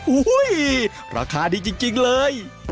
โอ้โฮราคาดีจริงเลย